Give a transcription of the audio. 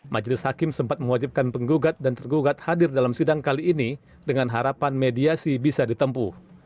majelis hakim sempat mewajibkan penggugat dan tergugat hadir dalam sidang kali ini dengan harapan mediasi bisa ditempuh